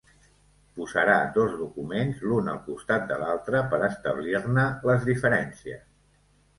Posarà dos documents l'un al costat de l'altre per establir-ne les diferències.